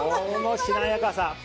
このしなやかさ。